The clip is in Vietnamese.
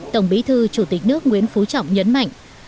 tổng bí thư chủ tịch nước nguyễn phú trọng nhấn mạnh